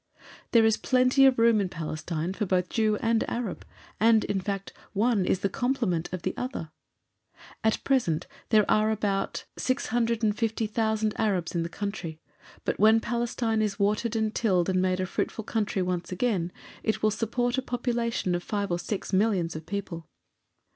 There is plenty of room in Palestine for both Jew and Arab, and, in fact, one is the complement of the other. At present there are about 650,000 Arabs in the country, but when Palestine is watered and tilled and made a fruitful country once again, it will support a population of five or six millions of people.